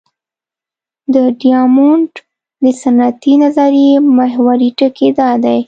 د ډیامونډ د سنتي نظریې محوري ټکی دا دی.